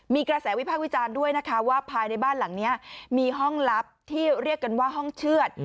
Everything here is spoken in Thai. มีกระแสวิพากษ์วิจารณ์ด้วยนะคะว่าภายในบ้านหลังนี้มีห้องลับที่เรียกกันว่าห้องเชือด